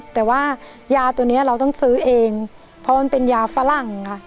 แต่ว่ายาตัวนี้เราต้องซื้อเองเพราะมันเป็นยาฝรั่งค่ะ